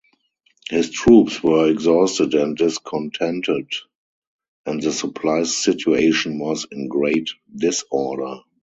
His troops were exhausted and discontented, and the supply situation was in great disorder.